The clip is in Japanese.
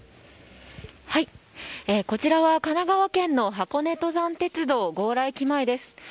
こちらは神奈川県の箱根登山鉄道強羅駅前です。